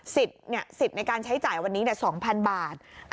สิทธิ์ในการใช้จ่ายวันนี้๒๐๐๐บาท